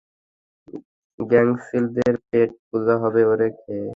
গাংচিলদের পেট-পূজা হবে ওরে খেয়ে!